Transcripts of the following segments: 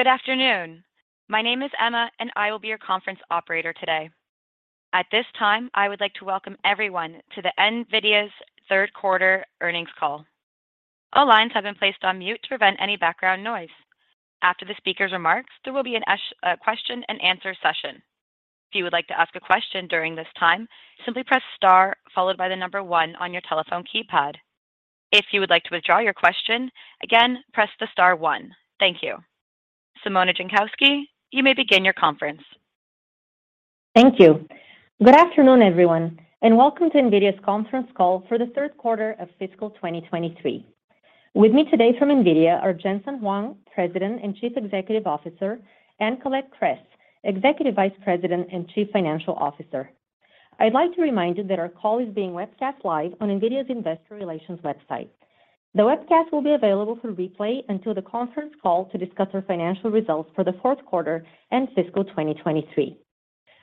Good afternoon. My name is Emma, and I will be your conference operator today. At this time, I would like to welcome everyone to NVIDIA's Q3 earnings call. All lines have been placed on mute to prevent any background noise. After the speaker's remarks, there will be a Q&A session. If you would like to ask a question during this time, simply press star followed by the number one on your telephone keypad. If you would like to withdraw your question, again, press the star one. Thank you. Simona Jankowski, you may begin your conference. Thank you. Good afternoon, everyone, and welcome to NVIDIA's conference call for the Q3 of fiscal 2023. With me today from NVIDIA are Jensen Huang, President and Chief Executive Officer, and Colette Kress, Executive Vice President and Chief Financial Officer. I'd like to remind you that our call is being webcast live on NVIDIA's investor relations website. The webcast will be available for replay until the conference call to discuss our financial results for the Q4 and fiscal 2023.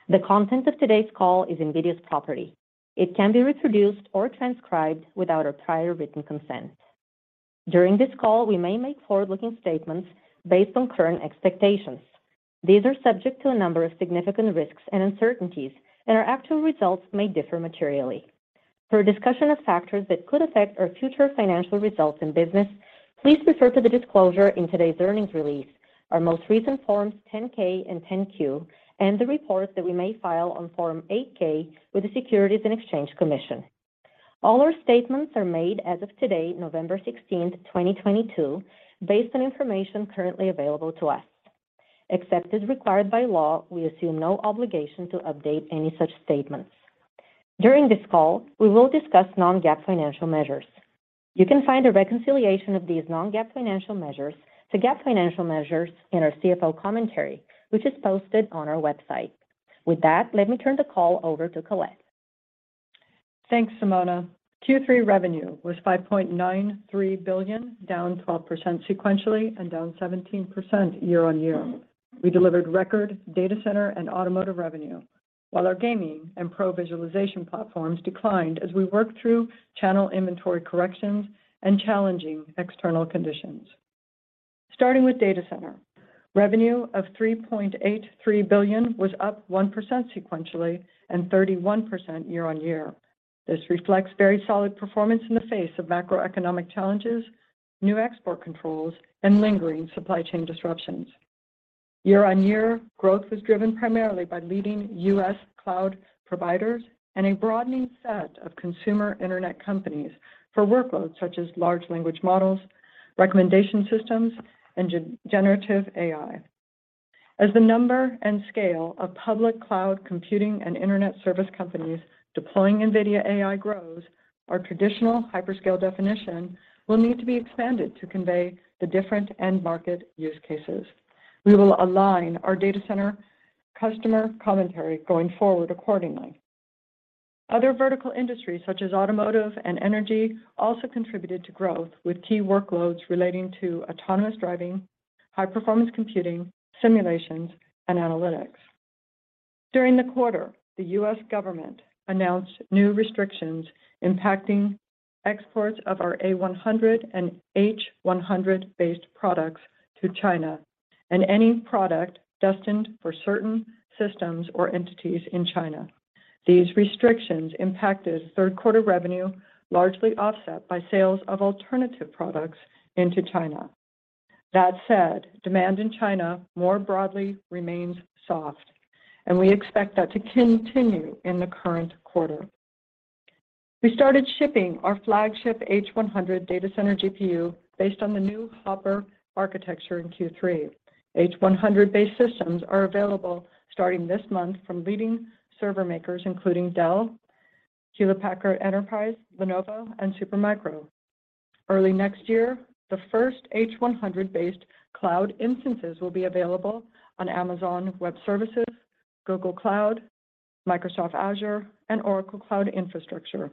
The content of today's call is NVIDIA's property. It can't be reproduced or transcribed without our prior written consent. During this call, we may make forward-looking statements based on current expectations. These are subject to a number of significant risks and uncertainties, and our actual results may differ materially. For a discussion of factors that could affect our future financial results and business, please refer to the disclosure in today's earnings release, our most recent Forms 10-K and 10-Q, and the reports that we may file on Form 8-K with the Securities and Exchange Commission. All our statements are made as of today, November 16th, 2022, based on information currently available to us. Except as required by law, we assume no obligation to update any such statements. During this call, we will discuss non-GAAP financial measures. You can find a reconciliation of these non-GAAP financial measures to GAAP financial measures in our CFO commentary, which is posted on our website. With that, let me turn the call over to Colette. Thanks, Simona. Q3 revenue was $5.93 billion, down 12% sequentially and down 17% year-on-year. We delivered record Data Center and Automotive revenue, while our Gaming and professional visualization platforms declined as we worked through channel inventory corrections and challenging external conditions. Starting with Data Center, revenue of $3.83 billion was up 1% sequentially and 31% year-on-year. This reflects very solid performance in the face of macroeconomic challenges, new export controls, and lingering supply chain disruptions. Year-on-year growth was driven primarily by leading U.S. cloud providers and a broadening set of consumer internet companies for workloads such as large language models, recommendation systems, and generative AI. As the number and scale of public cloud computing and internet service companies deploying NVIDIA AI grows, our traditional hyperscale definition will need to be expanded to convey the different end market use cases. We will align our data center customer commentary going forward accordingly. Other vertical industries, such as automotive and energy, also contributed to growth with key workloads relating to autonomous driving, high-performance computing, simulations, and analytics. During the quarter, the U.S. government announced new restrictions impacting exports of our A100 and H100-based products to China and any product destined for certain systems or entities in China. These restrictions impacted Q3 revenue, largely offset by sales of alternative products into China. That said, demand in China more broadly remains soft, and we expect that to continue in the current quarter. We started shipping our flagship H100 data center GPU based on the new Hopper architecture in Q3. H100-based systems are available starting this month from leading server makers, including Dell, Hewlett Packard Enterprise, Lenovo, and Supermicro. Early next year, the first H100-based cloud instances will be available on Amazon Web Services, Google Cloud, Microsoft Azure, and Oracle Cloud Infrastructure.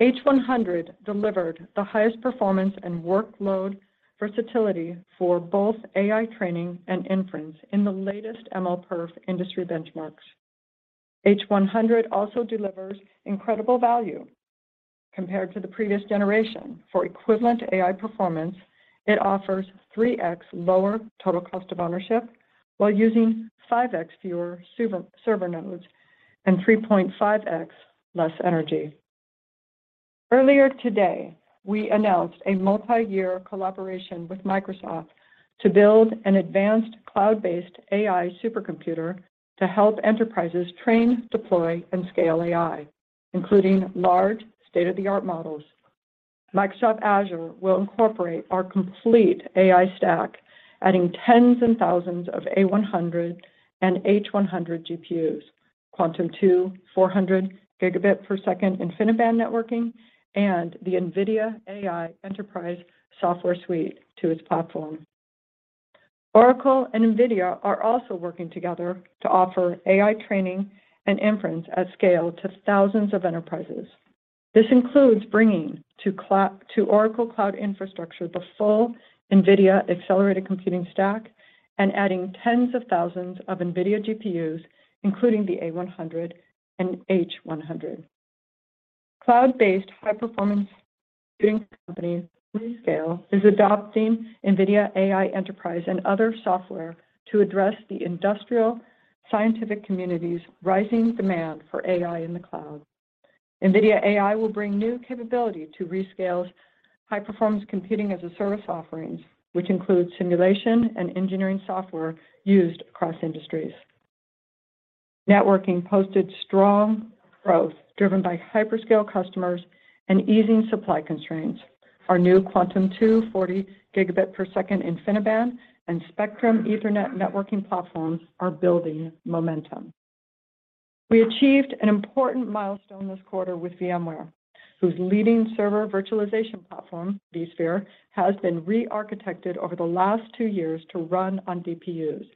H100 delivered the highest performance and workload versatility for both AI training and inference in the latest MLPerf industry benchmarks. H100 also delivers incredible value compared to the previous generation. For equivalent AI performance, it offers 3x lower total cost of ownership while using 5x fewer server nodes and 3.5x less energy. Earlier today, we announced a multi-year collaboration with Microsoft to build an advanced cloud-based AI supercomputer to help enterprises train, deploy, and scale AI, including large state-of-the-art models. Microsoft Azure will incorporate our complete AI stack, adding tens of thousands of A100 and H100 GPUs, NVIDIA Quantum-2 400Gb/s InfiniBand networking, and the NVIDIA AI Enterprise software suite to its platform. Oracle and NVIDIA are also working together to offer AI training and inference at scale to thousands of enterprises. This includes bringing to Oracle Cloud Infrastructure the full NVIDIA accelerated computing stack and adding tens of thousands of NVIDIA GPUs, including the A100 and H100. Cloud-based high-performance computing company Rescale is adopting NVIDIA AI Enterprise and other software to address the industrial scientific community's rising demand for AI in the cloud. NVIDIA AI will bring new capability to Rescale's high-performance computing as a service offerings, which include simulation and engineering software used across industries. Networking posted strong growth driven by hyperscale customers and easing supply constraints. Our new Quantum-2 400 Gb/s InfiniBand and Spectrum Ethernet networking platforms are building momentum. We achieved an important milestone this quarter with VMware, whose leading server virtualization platform, vSphere, has been re-architected over the last two years to run on DPUs,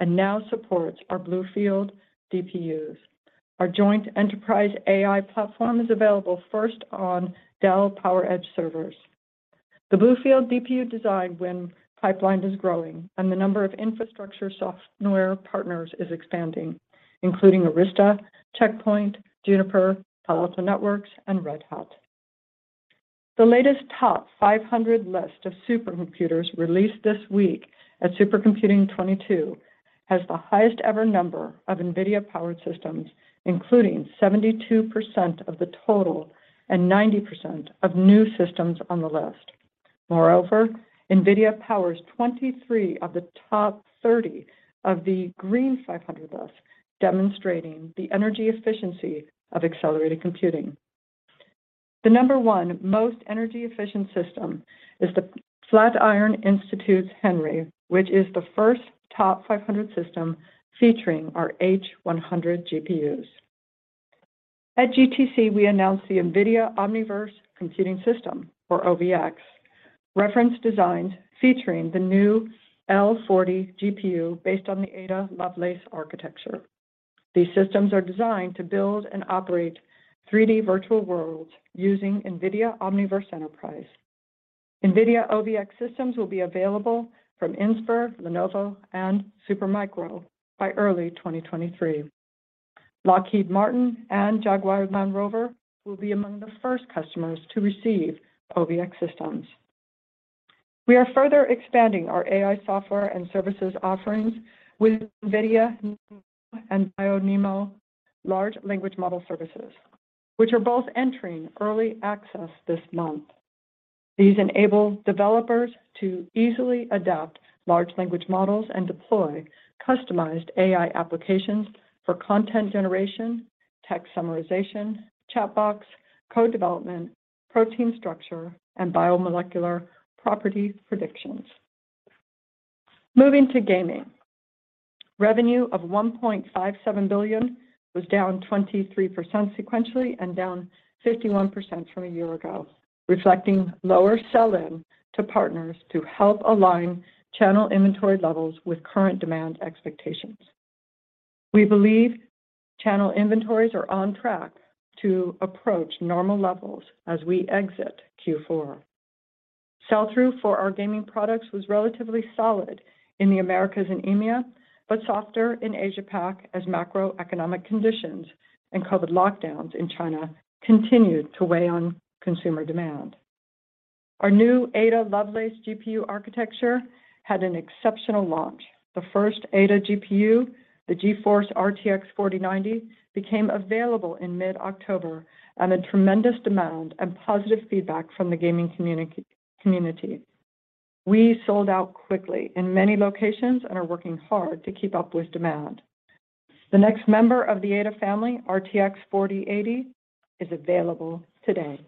and now supports our BlueField DPUs. Our joint enterprise AI platform is available first on Dell PowerEdge servers. The BlueField DPU design win pipeline is growing, and the number of infrastructure software partners is expanding, including Arista, Check Point, Juniper, Palo Alto Networks, and Red Hat. The latest TOP500 list of supercomputers released this week at SC22 has the highest ever number of NVIDIA-powered systems, including 72% of the total and 90% of new systems on the list. Moreover, NVIDIA powers 23 of the top 30 of the Green500 list, demonstrating the energy efficiency of accelerated computing. The number one most energy efficient system is the Flatiron Institute's Henri, which is the first top 500 system featuring our H100 GPUs. At GTC, we announced the NVIDIA Omniverse Computing System, or OVX, reference designs featuring the new L40 GPU based on the Ada Lovelace architecture. These systems are designed to build and operate 3D virtual worlds using NVIDIA Omniverse Enterprise. NVIDIA OVX systems will be available from Inspur, Lenovo, and Supermicro by early 2023. Lockheed Martin and Jaguar Land Rover will be among the first customers to receive OVX systems. We are further expanding our AI software and services offerings with NVIDIA NeMo and BioNeMo large language model services, which are both entering early access this month. These enable developers to easily adapt large language models and deploy customized AI applications for content generation, text summarization, chatbots, code development, protein structure, and biomolecular property predictions. Moving to gaming. Revenue of $1.57 billion was down 23% sequentially and down 51% from a year ago, reflecting lower sell-in to partners to help align channel inventory levels with current demand expectations. We believe channel inventories are on track to approach normal levels as we exit Q4. Sell-through for our gaming products was relatively solid in the Americas and EMEA, but softer in Asia-Pac as macroeconomic conditions and COVID lockdowns in China continued to weigh on consumer demand. Our new Ada Lovelace GPU architecture had an exceptional launch. The first Ada GPU, the GeForce RTX 4090, became available in mid-October amid tremendous demand and positive feedback from the gaming community. We sold out quickly in many locations and are working hard to keep up with demand. The next member of the Ada family, RTX 4080, is available today.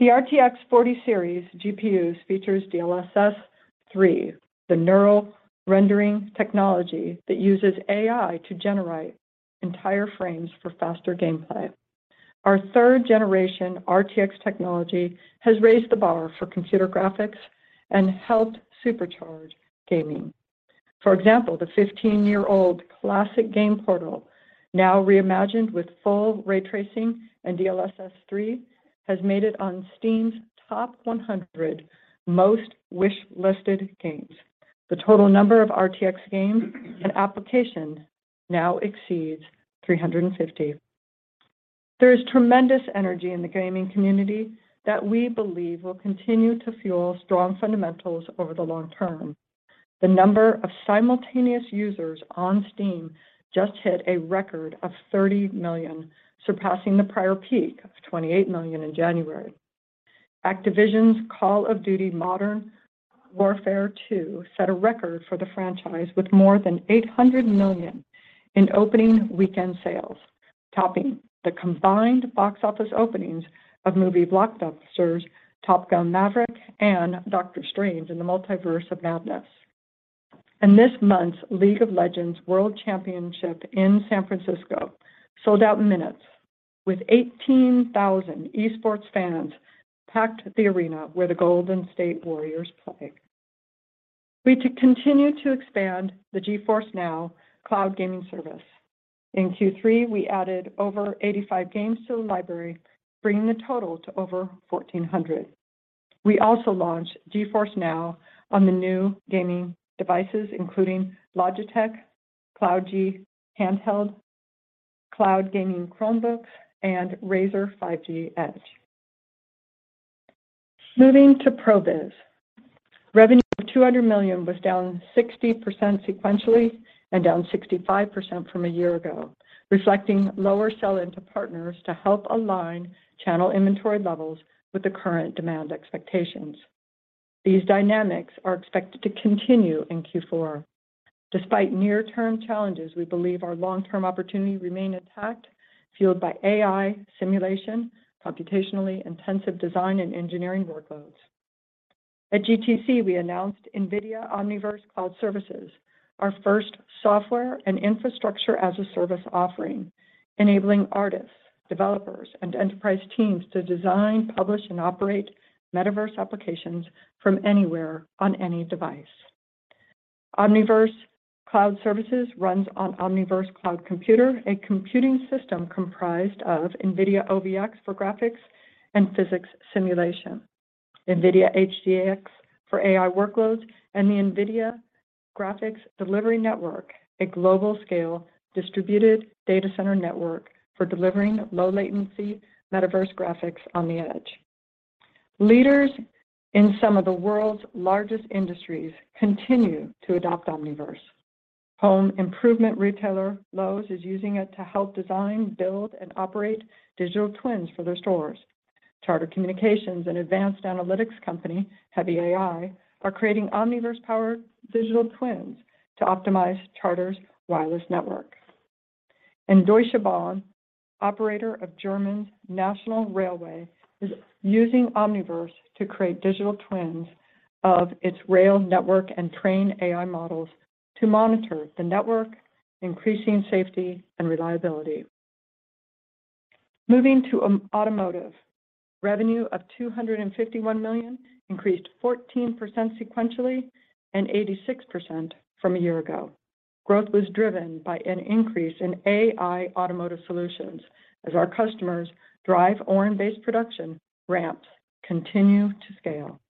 The RTX 40 series GPUs features DLSS 3, the neural rendering technology that uses AI to generate entire frames for faster gameplay. Our third generation RTX technology has raised the bar for computer graphics and helped supercharge gaming. For example, the 15-year-old classic game Portal, now reimagined with full ray tracing and DLSS 3, has made it on Steam's top 100 most wishlisted games. The total number of RTX games and applications now exceeds 350. There is tremendous energy in the gaming community that we believe will continue to fuel strong fundamentals over the long term. The number of simultaneous users on Steam just hit a record of 30 million, surpassing the prior peak of 28 million in January. Activision's Call of Duty: Modern Warfare II set a record for the franchise with more than $800 million in opening weekend sales, topping the combined box office openings of movie blockbusters Top Gun: Maverick and Doctor Strange in the Multiverse of Madness. This month's League of Legends World Championship in San Francisco sold out in minutes, with 18,000 esports fans packed the arena where the Golden State Warriors play. We continue to expand the GeForce NOW cloud gaming service. In Q3, we added over 85 games to the library, bringing the total to over 1,400. We also launched GeForce NOW on the new gaming devices, including Logitech G Cloud handheld, cloud gaming Chromebook, and Razer Edge 5G. Moving to Pro Viz. Revenue of $200 million was down 60% sequentially and down 65% from a year ago, reflecting lower sell-in to partners to help align channel inventory levels with the current demand expectations. These dynamics are expected to continue in Q4. Despite near-term challenges, we believe our long-term opportunities remain intact, fueled by AI simulation, computationally intensive design and engineering workloads. At GTC, we announced NVIDIA Omniverse Cloud Services, our first software and infrastructure as a service offering, enabling artists, developers, and enterprise teams to design, publish, and operate metaverse applications from anywhere on any device. Omniverse Cloud Services runs on Omniverse Cloud Computer, a computing system comprised of NVIDIA OVX for graphics and physics simulation, NVIDIA HGX for AI workloads, and the NVIDIA Graphics Delivery Network, a global scale distributed data center network for delivering low latency metaverse graphics on the edge. Leaders in some of the world's largest industries continue to adopt Omniverse. Home improvement retailer Lowe's is using it to help design, build, and operate digital twins for their stores. Charter Communications and advanced analytics company, HEAVY.AI, are creating Omniverse-powered digital twins to optimize Charter's wireless network. Deutsche Bahn, operator of Germany's national railway, is using Omniverse to create digital twins of its rail network and train AI models to monitor the network, increasing safety and reliability. Moving to automotive. Revenue of $251 million increased 14% sequentially and 86% year-over-year. Growth was driven by an increase in AI automotive solutions as our customers DRIVE Orin-based production ramps continue to scale.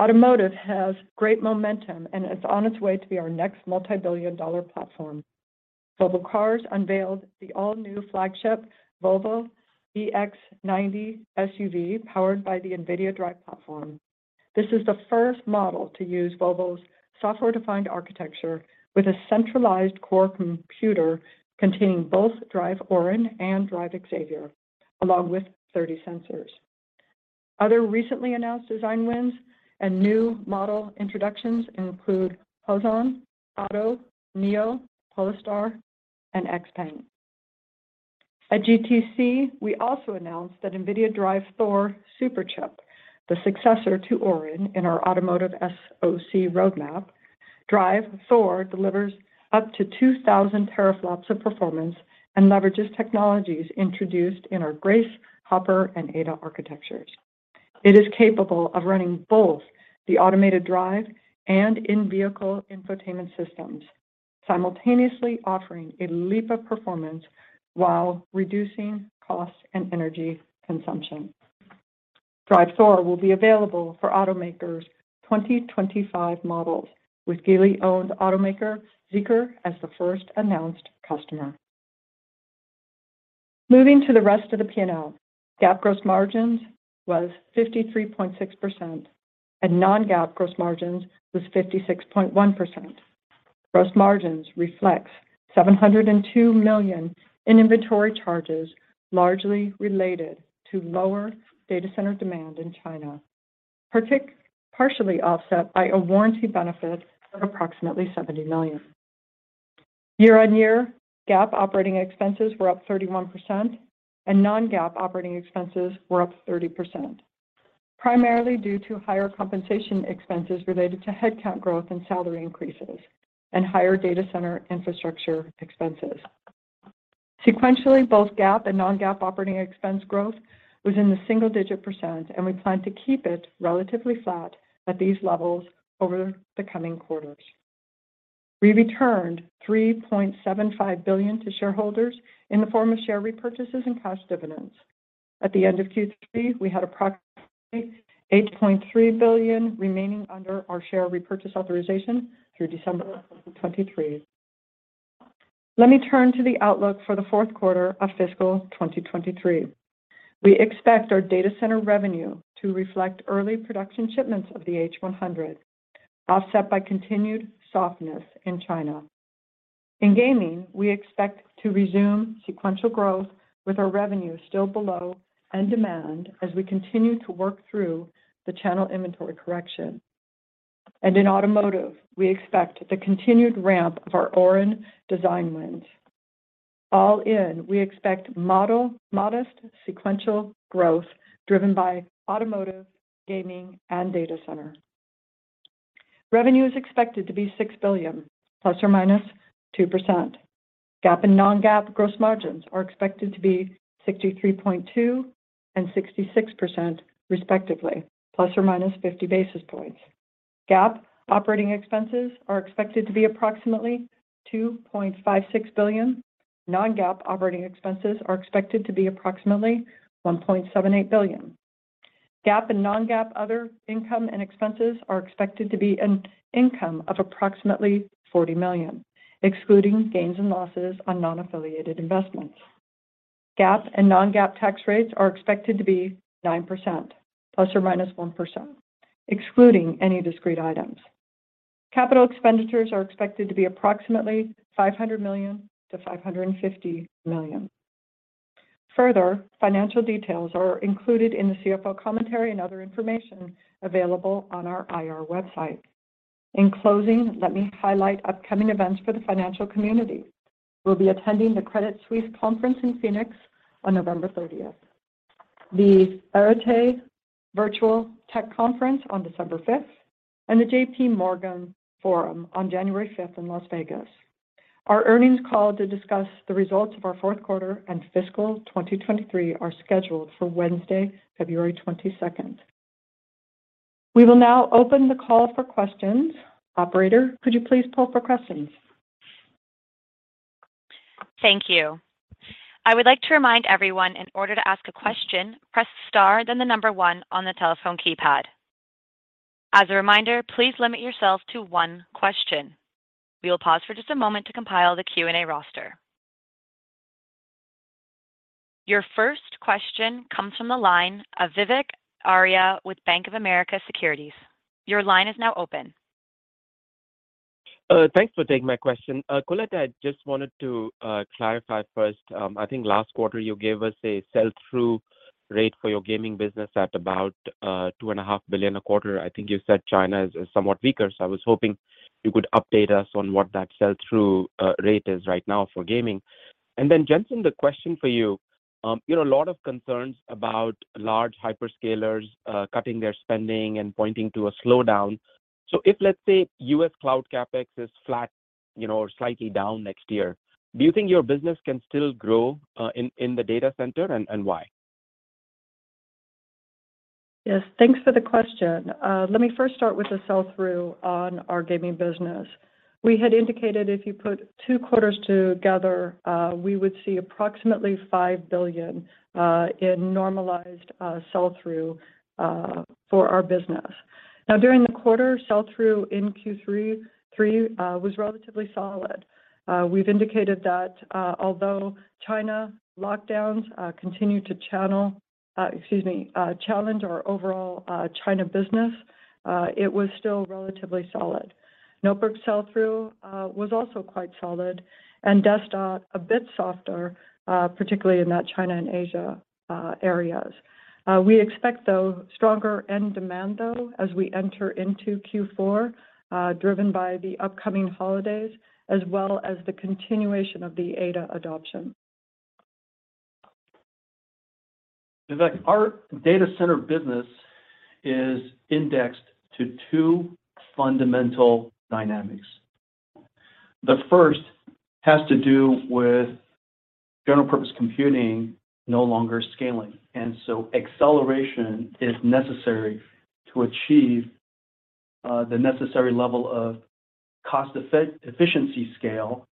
Automotive has great momentum, and it's on its way to be our next multibillion-dollar platform. Volvo Cars unveiled the all-new flagship Volvo EX90 SUV powered by the NVIDIA DRIVE platform. This is the first model to use Volvo's software-defined architecture with a centralized core computer containing both DRIVE Orin and DRIVE Xavier, along with 30 sensors. Other recently announced design wins and new model introductions include BYD Auto, NIO, Polestar, and XPeng. At GTC, we also announced that NVIDIA DRIVE Thor Superchip, the successor to Orin in our automotive SoC roadmap. DRIVE Thor delivers up to 2,000 teraflops of performance and leverages technologies introduced in our Grace, Hopper, and Ada architectures. It is capable of running both the automated drive and in-vehicle infotainment systems, simultaneously offering a leap of performance while reducing costs and energy consumption. DRIVE Thor will be available for automakers' 2025 models, with Geely-owned automaker Zeekr as the first announced customer. Moving to the rest of the P&L. GAAP gross margins was 53.6% and non-GAAP gross margins was 56.1%. Gross margins reflects $702 million in inventory charges, largely related to lower data center demand in China, partially offset by a warranty benefit of approximately $70 million. Year-on-year, GAAP operating expenses were up 31% and non-GAAP operating expenses were up 30%, primarily due to higher compensation expenses related to headcount growth and salary increases and higher data center infrastructure expenses. Sequentially, both GAAP and non-GAAP operating expense growth was in the single-digit percent, and we plan to keep it relatively flat at these levels over the coming quarters. We returned $3.75 billion to shareholders in the form of share repurchases and cash dividends. At the end of Q3, we had approximately $8.3 billion remaining under our share repurchase authorization through December of 2023. Let me turn to the outlook for the Q4 of fiscal 2023. We expect our data center revenue to reflect early production shipments of the H100, offset by continued softness in China. In gaming, we expect to resume sequential growth with our revenue still below end demand as we continue to work through the channel inventory correction. In automotive, we expect the continued ramp of our Orin design wins. All in, we expect modest sequential growth driven by automotive, gaming, and data center. Revenue is expected to be $6 billion ±2%. GAAP and non-GAAP gross margins are expected to be 63.2% and 66% respectively, ±50 basis points. GAAP operating expenses are expected to be approximately $2.56 billion. Non-GAAP operating expenses are expected to be approximately $1.78 billion. GAAP and non-GAAP other income and expenses are expected to be an income of approximately $40 million, excluding gains and losses on non-affiliated investments. GAAP and non-GAAP tax rates are expected to be 9% ±1%, excluding any discrete items. Capital expenditures are expected to be approximately $500 million to $550 million. Further financial details are included in the CFO commentary and other information available on our IR website. In closing, let me highlight upcoming events for the financial community. We'll be attending the Credit Suisse Conference in Phoenix on November 30th, the Arete Virtual Tech Conference on December 5th, and the JPMorgan Forum on January 5th in Las Vegas. Our earnings call to discuss the results of our Q4 and fiscal 2023 are scheduled for Wednesday, February 22nd. We will now open the call for questions. Operator, could you please poll for questions? Thank you. I would like to remind everyone in order to ask a question, press star, then the number one on the telephone keypad. As a reminder, please limit yourself to one question. We will pause for just a moment to compile the Q&A roster. Your first question comes from the line of Vivek Arya with Bank of America Securities. Your line is now open. Thanks for taking my question. Colette, I just wanted to clarify first. I think last quarter you gave us a sell-through rate for your gaming business at about $2.5 billion a quarter. I think you said China is somewhat weaker. I was hoping you could update us on what that sell-through rate is right now for gaming. Then Jensen, the question for you know, a lot of concerns about large hyperscalers cutting their spending and pointing to a slowdown. If, let's say, U.S. cloud CapEx is flat, you know, or slightly down next year, do you think your business can still grow in the data center? And why? Yes. Thanks for the question. Let me first start with the sell-through on our gaming business. We had indicated if you put two quarters together, we would see approximately $5 billion in normalized sell-through for our business. Now, during the quarter, sell-through in Q3 was relatively solid. We've indicated that, although China lockdowns continue to challenge our overall China business, it was still relatively solid. Notebook sell-through was also quite solid, and desktop a bit softer, particularly in that China and Asia areas. We expect, though, stronger end demand though, as we enter into Q4, driven by the upcoming holidays as well as the continuation of the Ada adoption. In fact, our data center business is indexed to two fundamental dynamics. The first has to do with general purpose computing no longer scaling, and so acceleration is necessary to achieve the necessary level of cost efficiency scale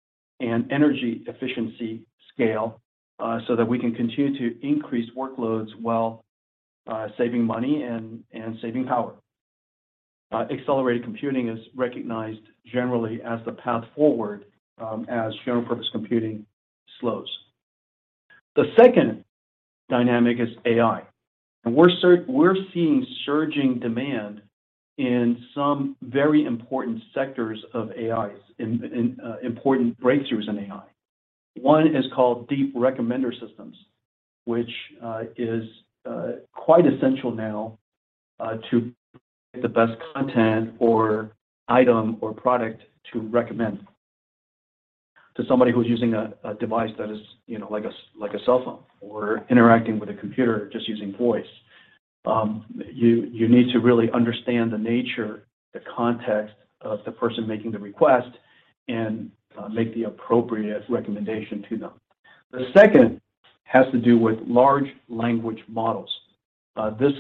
and energy efficiency scale, so that we can continue to increase workloads while saving money and saving power. Accelerated computing is recognized generally as the path forward, as general purpose computing slows. The second dynamic is AI. We're seeing surging demand in some very important sectors of AI in important breakthroughs in AI. One is called Deep Recommender Systems, which is quite essential now to the best content or item or product to recommend to somebody who's using a device that is, you know, like a cell phone or interacting with a computer just using voice. You need to really understand the nature, the context of the person making the request and make the appropriate recommendation to them. The second has to do with large language models. This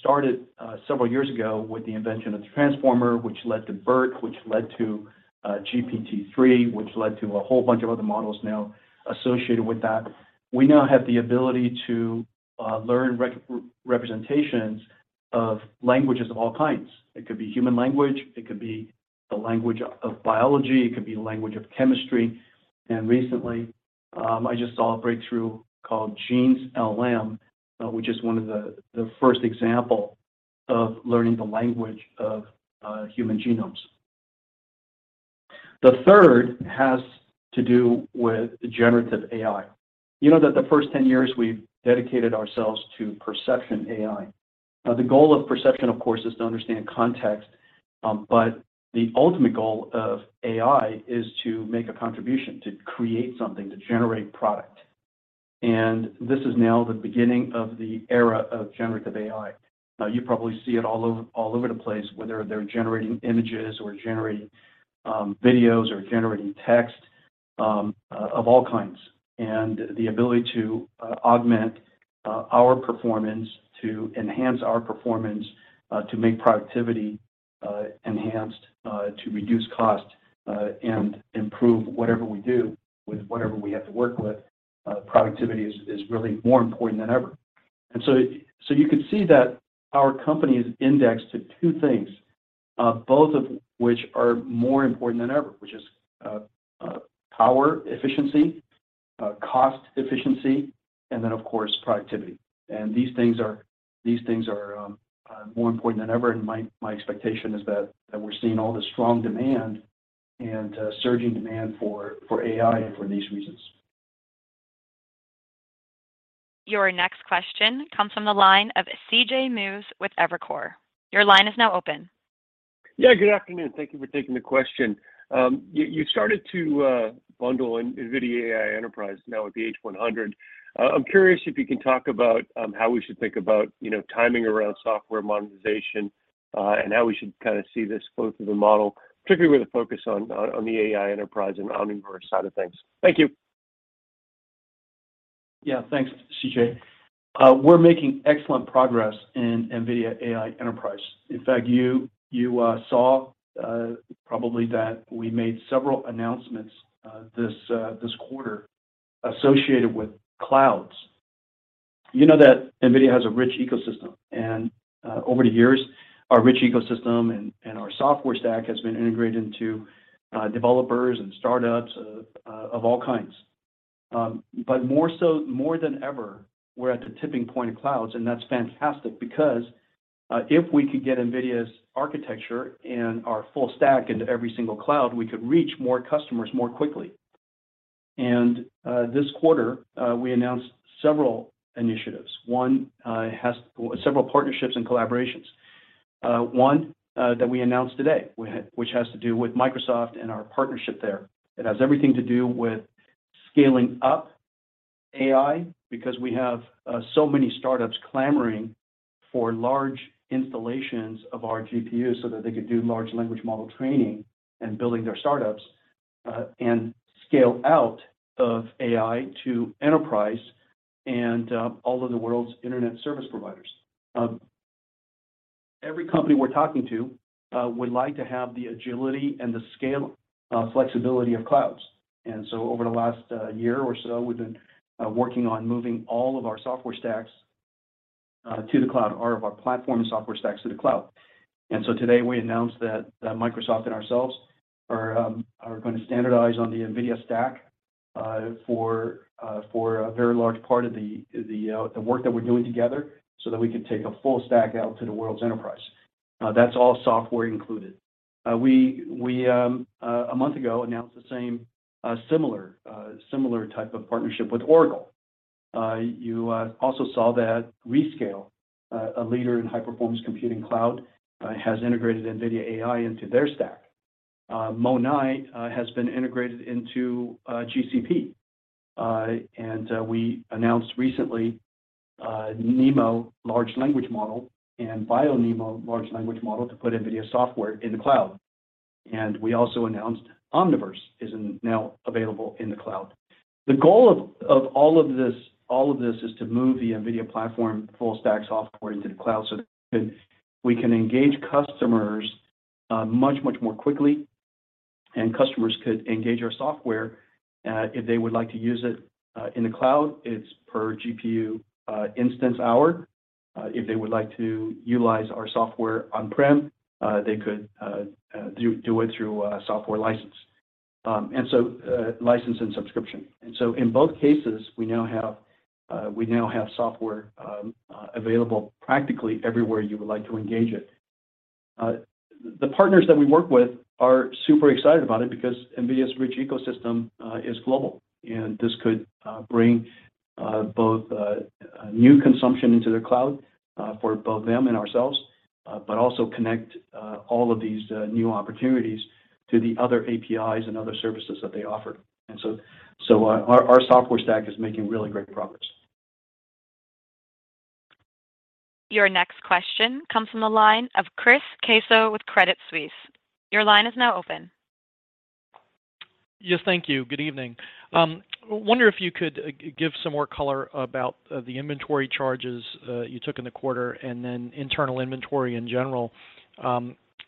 started several years ago with the invention of the transformer, which led to BERT, which led to GPT-3, which led to a whole bunch of other models now associated with that. We now have the ability to learn representations of languages of all kinds. It could be human language, it could be the language of biology, it could be the language of chemistry. Recently, I just saw a breakthrough called GenSLMs, which is one of the first example of learning the language of human genomes. The third has to do with generative AI. You know that the first ten years we've dedicated ourselves to perception AI. Now, the goal of perception, of course, is to understand context, but the ultimate goal of AI is to make a contribution, to create something, to generate product. This is now the beginning of the era of generative AI. Now, you probably see it all over, all over the place, whether they're generating images or generating videos or generating text of all kinds. The ability to augment our performance, to enhance our performance, to make productivity enhanced, to reduce cost, and improve whatever we do with whatever we have to work with. Productivity is really more important than ever. You can see that our company is indexed to two things, both of which are more important than ever, which is power efficiency, cost efficiency, and then of course, productivity. These things are more important than ever, and my expectation is that we're seeing all the strong demand and surging demand for AI and for these reasons. Your next question comes from the line of C.J. Muse with Evercore. Your line is now open. Yeah. Good afternoon. Thank you for taking the question. You started to bundle NVIDIA AI Enterprise now with the H100. I'm curious if you can talk about how we should think about, you know, timing around software monetization, and how we should kinda see this flow through the model, particularly with the focus on the AI Enterprise and on Omniverse side of things. Thank you. Yeah, thanks, C.J. We're making excellent progress in NVIDIA AI Enterprise. In fact, you saw probably that we made several announcements this quarter associated with clouds. You know that NVIDIA has a rich ecosystem, and over the years, our rich ecosystem and our software stack has been integrated into developers and startups of all kinds. But more so, more than ever, we're at the tipping point of clouds, and that's fantastic because if we could get NVIDIA's architecture and our full stack into every single cloud, we could reach more customers more quickly. This quarter, we announced several initiatives. One has several partnerships and collaborations. One that we announced today, which has to do with Microsoft and our partnership there. It has everything to do with scaling up AI because we have so many startups clamoring for large installations of our GPU so that they could do large language model training and building their startups and scale out of AI to enterprise and all of the world's internet service providers. Every company we're talking to would like to have the agility and the scale, flexibility of clouds. Over the last year or so, we've been working on moving all of our software stacks to the cloud. All of our platform software stacks to the cloud. Today, we announced that Microsoft and ourselves are gonna standardize on the NVIDIA stack for a very large part of the work that we're doing together so that we can take a full stack out to the world's enterprise. That's all software included. A month ago we announced the same similar type of partnership with Oracle. You also saw that Rescale, a leader in high-performance computing cloud, has integrated NVIDIA AI into their stack. MONAI has been integrated into GCP. We announced recently NeMo large language model and BioNeMo large language model to put NVIDIA software in the cloud. We also announced Omniverse is now available in the cloud. The goal of all of this is to move the NVIDIA platform full stack software into the cloud so that we can engage customers much more quickly, and customers could engage our software. If they would like to use it in the cloud, it's per GPU instance hour. If they would like to utilize our software on-prem, they could do it through a software license. License and subscription. In both cases, we now have software available practically everywhere you would like to engage it. The partners that we work with are super excited about it because NVIDIA's rich ecosystem is global, and this could bring both new consumption into the cloud for both them and ourselves, but also connect all of these new opportunities to the other APIs and other services that they offer. Our software stack is making really great progress. Your next question comes from the line of Chris Caso with Credit Suisse. Your line is now open. Yes. Thank you. Good evening. Wonder if you could give some more color about the inventory charges you took in the quarter and then internal inventory in general.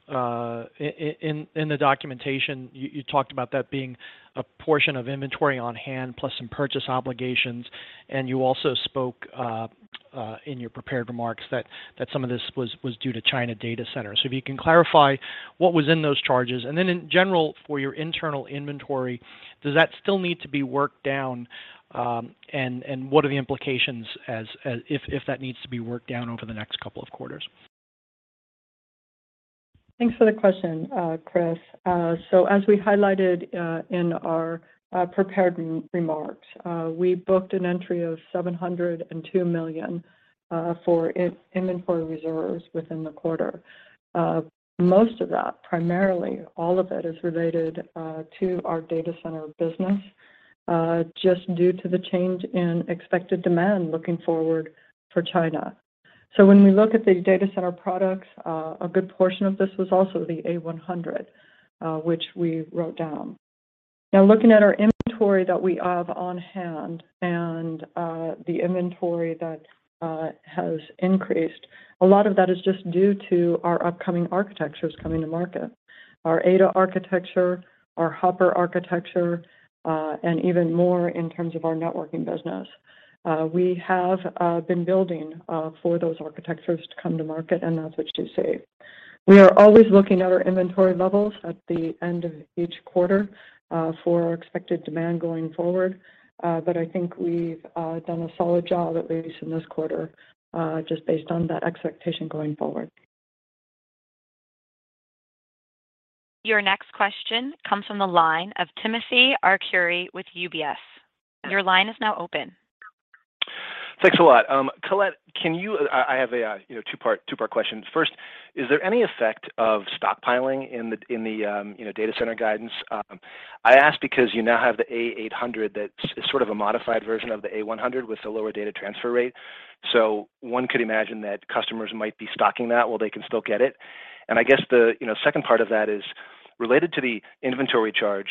In the documentation, you talked about that being a portion of inventory on hand, plus some purchase obligations, and you also spoke in your prepared remarks that some of this was due to China data centers. If you can clarify what was in those charges. In general, for your internal inventory, does that still need to be worked down? What are the implications if that needs to be worked down over the next couple of quarters? Thanks for the question, Chris. As we highlighted in our prepared remarks, we booked an entry of $702 million for inventory reserves within the quarter. Most of that, primarily all of it, is related to our data center business. Just due to the change in expected demand looking forward for China. When we look at the data center products, a good portion of this was also the A100, which we wrote down. Now, looking at our inventory that we have on hand and the inventory that has increased, a lot of that is just due to our upcoming architectures coming to market. Our Ada architecture, our Hopper architecture, and even more in terms of our networking business. We have been building for those architectures to come to market, and that's what you see. We are always looking at our inventory levels at the end of each quarter for our expected demand going forward. I think we've done a solid job at least in this quarter, just based on that expectation going forward. Your next question comes from the line of Timothy Arcuri with UBS. Your line is now open. Thanks a lot. Colette, I have a you know two-part question. First, is there any effect of stockpiling in the data center guidance? I ask because you now have the A800 that's sort of a modified version of the A100 with a lower data transfer rate. So one could imagine that customers might be stocking that while they can still get it. I guess the second part of that is related to the inventory charge.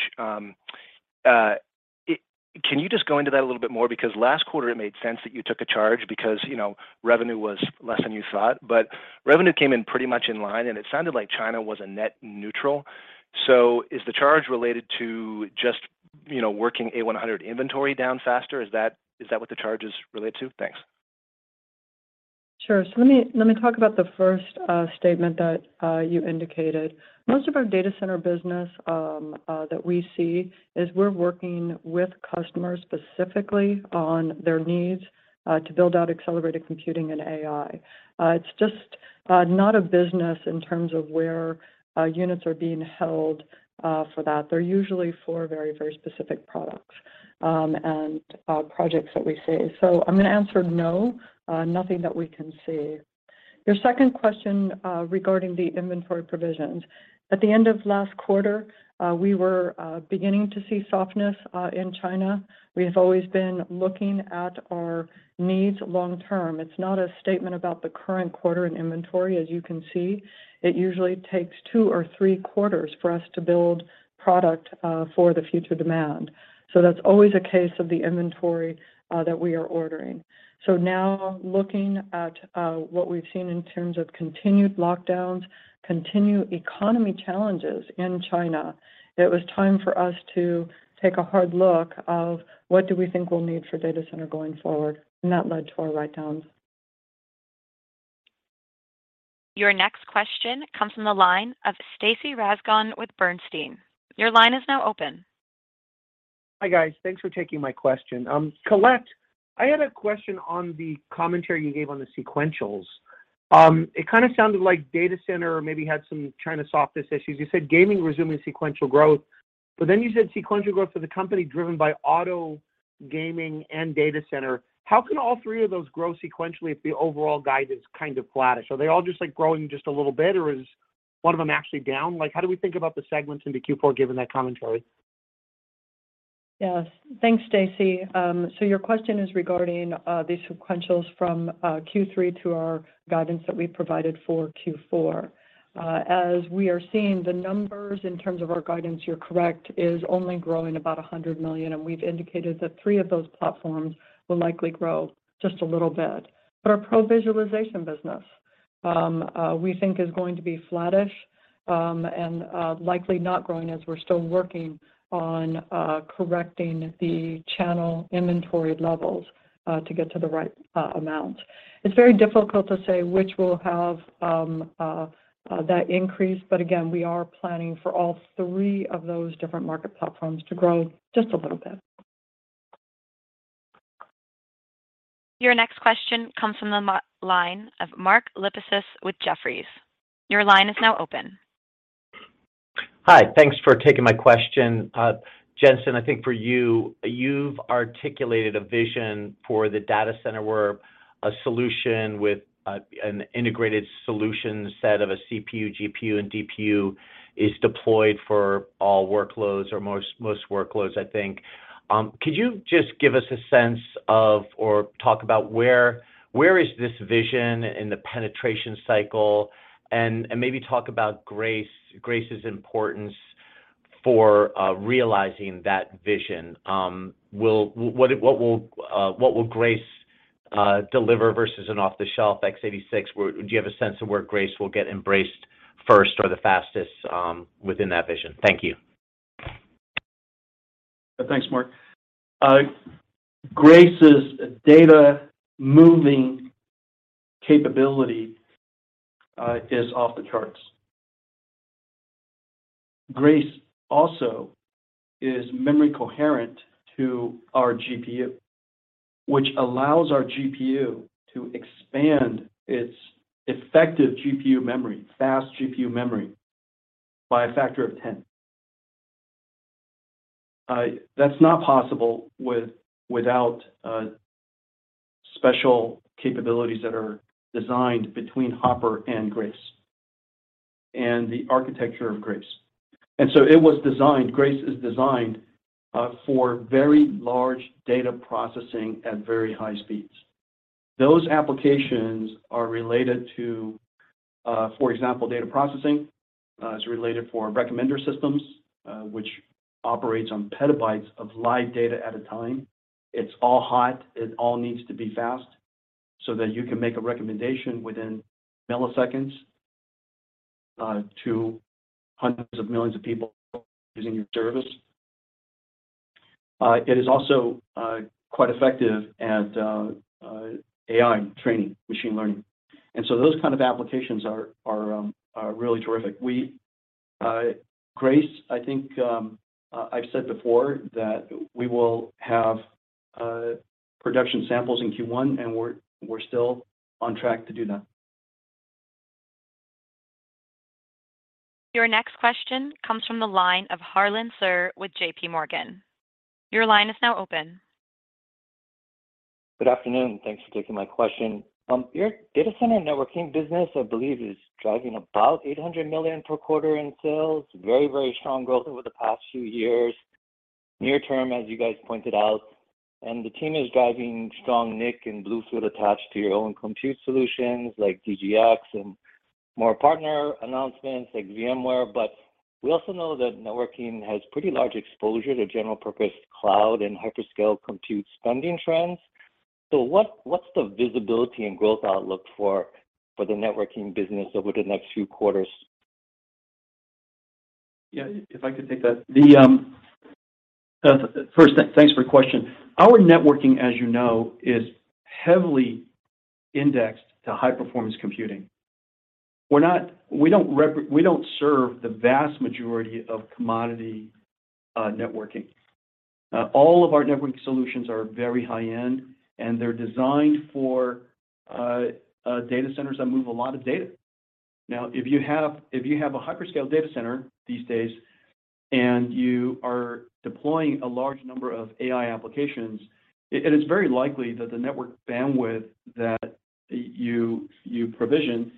Can you just go into that a little bit more? Because last quarter it made sense that you took a charge because you know revenue was less than you thought. Revenue came in pretty much in line, and it sounded like China was a net neutral. Is the charge related to just, you know, working A100 inventory down faster? Is that what the charge is related to? Thanks. Sure. Let me talk about the first statement that you indicated. Most of our data center business that we see is we're working with customers specifically on their needs to build out accelerated computing and AI. It's just not a business in terms of where units are being held for that. They're usually for very specific products and projects that we see. I'm gonna answer no, nothing that we can see. Your second question regarding the inventory provisions. At the end of last quarter, we were beginning to see softness in China. We have always been looking at our needs long term. It's not a statement about the current quarter in inventory, as you can see. It usually takes two or three quarters for us to build product for the future demand. That's always a case of the inventory that we are ordering. Now looking at what we've seen in terms of continued lockdowns, continued economy challenges in China, it was time for us to take a hard look of what do we think we'll need for data center going forward, and that led to our write-downs. Your next question comes from the line of Stacy Rasgon with Bernstein. Your line is now open. Hi, guys. Thanks for taking my question. Colette, I had a question on the commentary you gave on the sequentials. It kinda sounded like data center maybe had some China softness issues. You said gaming resuming sequential growth, but then you said sequential growth for the company driven by auto, gaming, and data center. How can all three of those grow sequentially if the overall guide is kind of flattish? Are they all just like growing just a little bit, or is one of them actually down? Like, how do we think about the segments into Q4 given that commentary? Yes. Thanks, Stacy. So your question is regarding the sequentials from Q3 to our guidance that we provided for Q4. As we are seeing the numbers in terms of our guidance, you're correct, is only growing about $100 million, and we've indicated that three of those platforms will likely grow just a little bit. Our pro visualization business, we think is going to be flattish, and likely not growing as we're still working on correcting the channel inventory levels to get to the right amount. It's very difficult to say which will have that increase, but again, we are planning for all three of those different market platforms to grow just a little bit. Your next question comes from the line of Mark Lipacis with Jefferies. Your line is now open. Hi. Thanks for taking my question. Jensen, I think for you've articulated a vision for the data center where a solution with an integrated solution set of a CPU, GPU, and DPU is deployed for all workloads or most workloads, I think. Could you just give us a sense of or talk about where this vision is in the penetration cycle? And maybe talk about Grace's importance for realizing that vision. What will Grace deliver versus an off-the-shelf x86? Do you have a sense of where Grace will get embraced first or the fastest within that vision? Thank you. Thanks, Mark. Grace's data moving capability is off the charts. Grace also is memory coherent to our GPU, which allows our GPU to expand its effective GPU memory, fast GPU memory, by a factor of 10. That's not possible without special capabilities that are designed between Hopper and Grace and the architecture of Grace. Grace is designed for very large data processing at very high speeds. Those applications are related to, for example, data processing, it's related for recommender systems, which operates on petabytes of live data at a time. It's all hot, it all needs to be fast so that you can make a recommendation within milliseconds to hundreds of millions of people using your service. It is also quite effective at AI training, machine learning. Those kind of applications are really terrific. We Grace, I think, I've said before that we will have production samples in Q1, and we're still on track to do that. Your next question comes from the line of Harlan Sur with JPMorgan. Your line is now open. Good afternoon. Thanks for taking my question. Your data center networking business, I believe, is driving about $800 million per quarter in sales. Very, very strong growth over the past few years. Near term, as you guys pointed out, and the team is driving strong NIC and BlueField attached to your own compute solutions like DGX and more partner announcements like VMware. We also know that networking has pretty large exposure to general purpose cloud and hyperscale compute spending trends. What's the visibility and growth outlook for the networking business over the next few quarters? Yeah, if I could take that. Thanks for the question. Our networking, as you know, is heavily indexed to high-performance computing. We're no, we don't serve the vast majority of commodity networking. All of our networking solutions are very high-end, and they're designed for data centers that move a lot of data. Now, if you have a hyperscale data center these days and you are deploying a large number of AI applications, it is very likely that the network bandwidth that you provision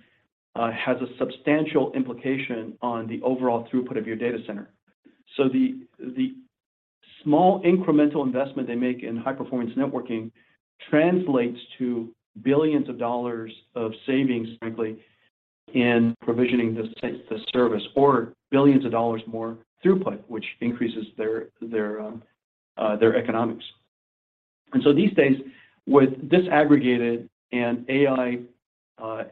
has a substantial implication on the overall throughput of your data center. The small incremental investment they make in high-performance networking translates to billions of dollars of savings, frankly, in provisioning the service or billions of dollars more throughput, which increases their economics. These days, with disaggregated and AI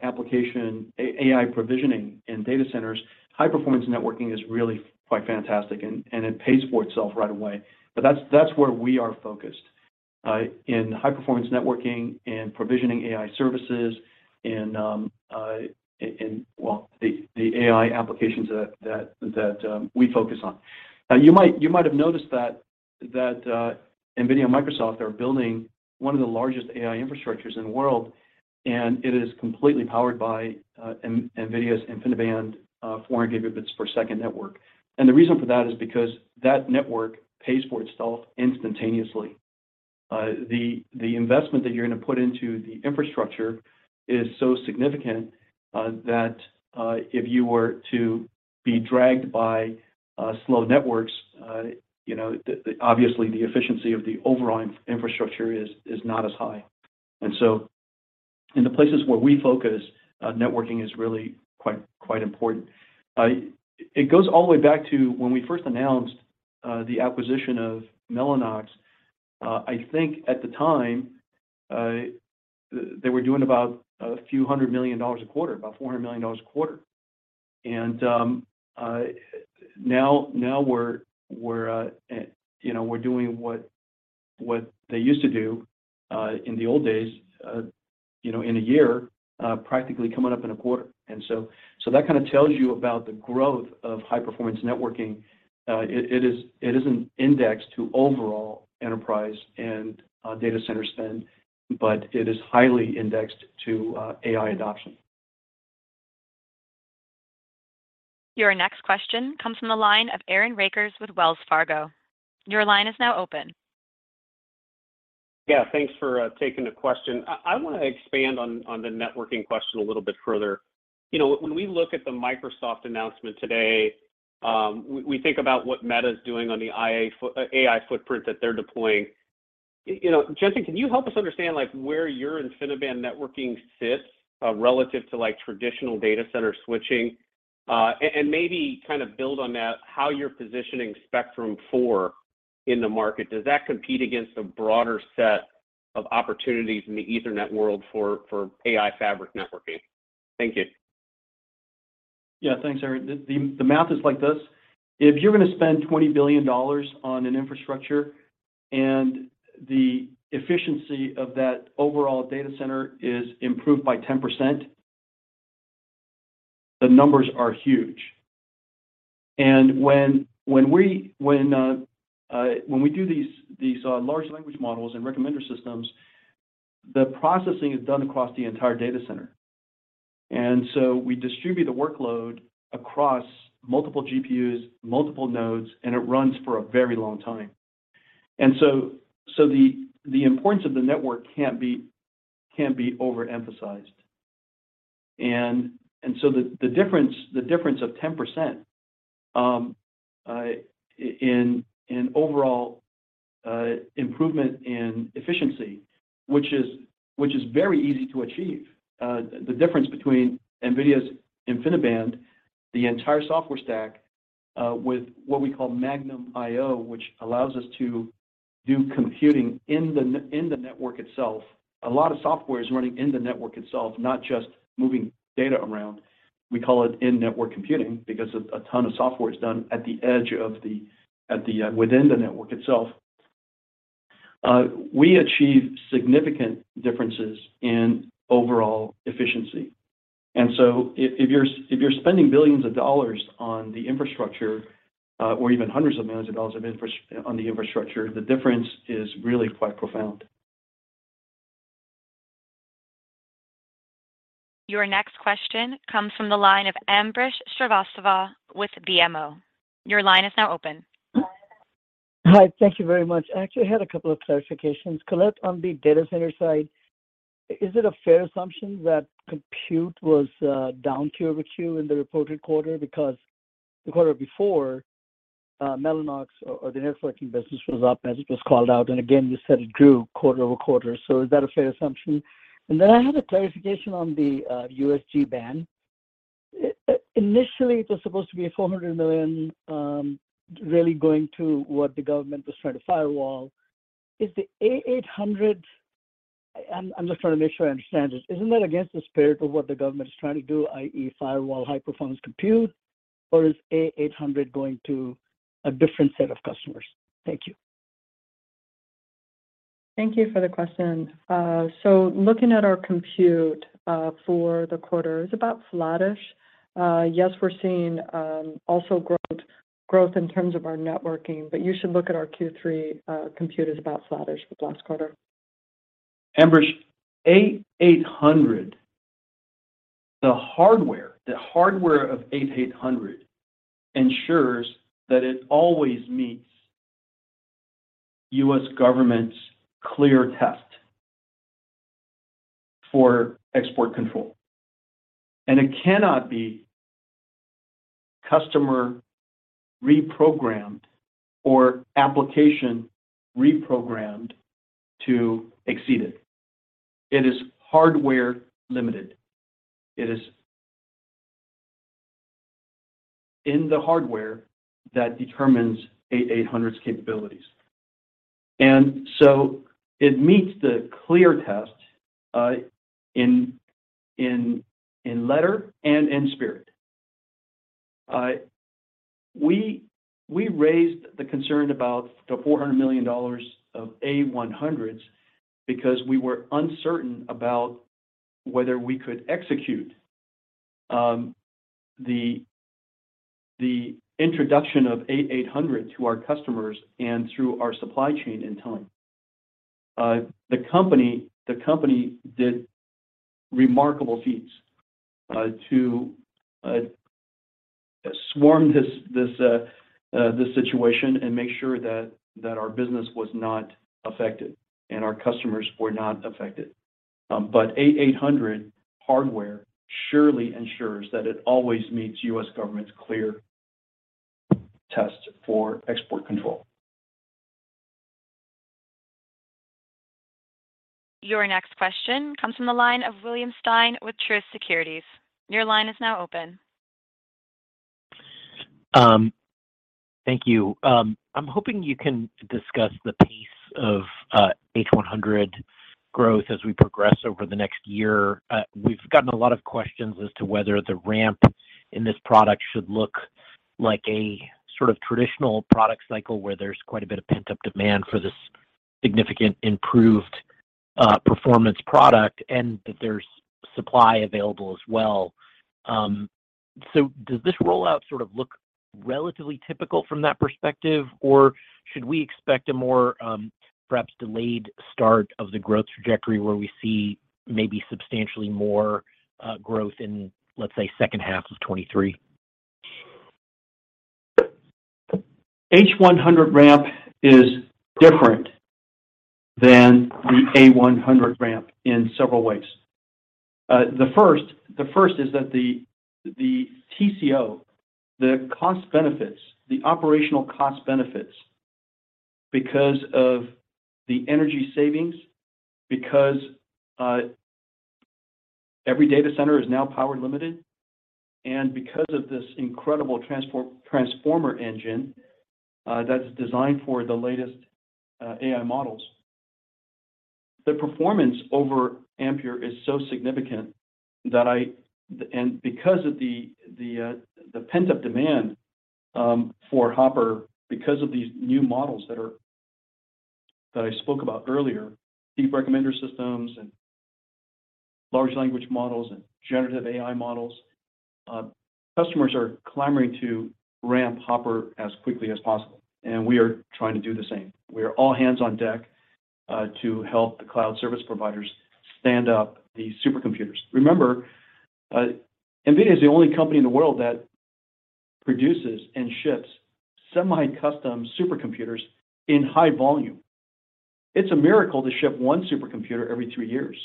application AI provisioning in data centers, high-performance networking is really quite fantastic and it pays for itself right away. That's where we are focused in high-performance networking and provisioning AI services and in well, the AI applications that we focus on. Now, you might have noticed that NVIDIA and Microsoft are building one of the largest AI infrastructures in the world, and it is completely powered by NVIDIA's InfiniBand 400 gigabits per second network. The reason for that is because that network pays for itself instantaneously. The investment that you're gonna put into the infrastructure is so significant that if you were to be dragged by slow networks, you know, obviously, the efficiency of the overall infrastructure is not as high. In the places where we focus, networking is really quite important. It goes all the way back to when we first announced the acquisition of Mellanox. I think at the time they were doing about $400 million a quarter. Now we're doing what they used to do in the old days, you know, in a year, practically coming up in a quarter. That kinda tells you about the growth of high-performance networking. It isn't indexed to overall enterprise and data center spend, but it is highly indexed to AI adoption. Your next question comes from the line of Aaron Rakers with Wells Fargo. Your line is now open. Yeah. Thanks for taking the question. I wanna expand on the networking question a little bit further. You know, when we look at the Microsoft announcement today, we think about what Meta is doing on the AI footprint that they're deploying. You know, Jensen, can you help us understand, like, where your InfiniBand networking sits, relative to, like, traditional data center switching? Maybe kinda build on that, how you're positioning Spectrum-4 in the market. Does that compete against a broader set of opportunities in the Ethernet world for AI fabric networking? Thank you. Yeah. Thanks, Aaron. The math is like this: If you're gonna spend $20 billion on an infrastructure, and the efficiency of that overall data center is improved by 10%, the numbers are huge. When we do these large language models and recommender systems, the processing is done across the entire data center. We distribute the workload across multiple GPUs, multiple nodes, and it runs for a very long time. The importance of the network can't be overemphasized. The difference of 10% in overall improvement in efficiency, which is very easy to achieve. The difference between NVIDIA's InfiniBand, the entire software stack, with what we call Magnum IO, which allows us to do computing in the network itself. A lot of software is running in the network itself, not just moving data around. We call it in-network computing because a ton of software is done within the network itself. We achieve significant differences in overall efficiency. If you're spending billions of dollars on the infrastructure, or even hundreds of millions of dollars on the infrastructure, the difference is really quite profound. Your next question comes from the line of Ambrish Srivastava with BMO. Your line is now open. Hi. Thank you very much. I actually had a couple of clarifications. Colette, on the data center side, is it a fair assumption that compute was down quarter-over-quarter in the reported quarter? Because the quarter before, Mellanox or the networking business was up as it was called out, and again, you said it grew quarter-over-quarter. Is that a fair assumption? I had a clarification on the USG ban. Initially, it was supposed to be a $400 million, really going to what the government was trying to firewall. Is the A800? I'm just trying to make sure I understand this. Isn't that against the spirit of what the government is trying to do, i.e., firewall high-performance compute, or is A800 going to a different set of customers? Thank you. Thank you for the question. Looking at our compute for the quarter, it's about flattish. Yes, we're seeing also growth in terms of our networking, but you should look at our Q3 compute as about flattish with last quarter. Ambrish, A800, the hardware of A800 ensures that it always meets U.S. government's clear test for export control, and it cannot be customer reprogrammed or application reprogrammed to exceed it. It is hardware limited. It is in the hardware that determines A800's capabilities. It meets the clear test in letter and in spirit. We raised the concern about the $400 million of A100s because we were uncertain about whether we could execute the introduction of A800 to our customers and through our supply chain in time. The company did remarkable feats to swarm this situation and make sure that our business was not affected and our customers were not affected. A800 hardware surely ensures that it always meets U.S. government's clear test for export control. Your next question comes from the line of William Stein with Truist Securities. Your line is now open. Thank you. I'm hoping you can discuss the pace of H100 growth as we progress over the next year. We've gotten a lot of questions as to whether the ramp in this product should look like a sort of traditional product cycle where there's quite a bit of pent-up demand for this significantly improved performance product, and that there's supply available as well. Does this rollout sort of look relatively typical from that perspective, or should we expect a more perhaps delayed start of the growth trajectory where we see maybe substantially more growth in, let's say, second half of 2023? H100 ramp is different than the A100 ramp in several ways. The first is that the TCO, the cost benefits, the operational cost benefits because of the energy savings, because every data center is now power limited, and because of this incredible transformer engine that's designed for the latest AI models. The performance over Ampere is so significant that, and because of the pent-up demand for Hopper because of these new models that I spoke about earlier, deep recommender systems and large language models and generative AI models, customers are clamoring to ramp Hopper as quickly as possible, and we are trying to do the same. We are all hands on deck to help the cloud service providers stand up these supercomputers. Remember, NVIDIA is the only company in the world that produces and ships semi-custom supercomputers in high volume. It's a miracle to ship one supercomputer every three years.